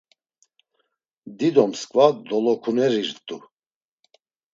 Dido msǩva dolokunerirt̆u.